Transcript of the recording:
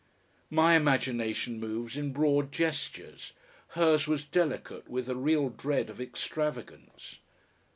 My imagination moves in broad gestures; her's was delicate with a real dread of extravagance.